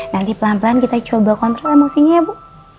nanti pelan pelan kita coba kontrol emosinya ya bu